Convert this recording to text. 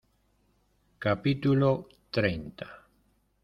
capítulo treinta.